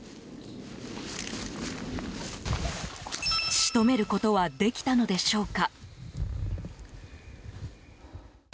仕留めることはできたのでしょうか。